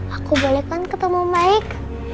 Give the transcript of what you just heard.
aku boleh kan ketemu baik